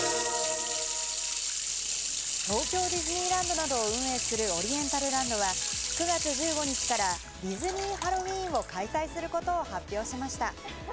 東京ディズニーランドなどを運営するオリエンタルランドは９月１５日からディズニー・ハロウィーンを開催することを発表しました。